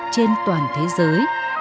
trên toàn thế giới